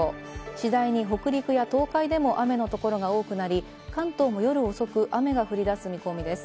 次第に北陸や東海でも雨の所が多くなり、関東も夜遅く雨が降り出す見込みです。